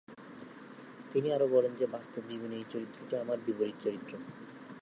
তিনি আরও বলেন যে, "বাস্তব জীবনে এই চরিত্রটি আমার বিপরীত চরিত্র"।